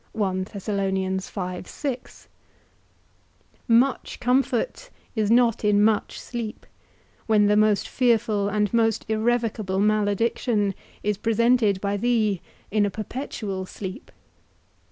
Much comfort is not in much sleep, when the most fearful and most irrevocable malediction is presented by thee in a perpetual sleep.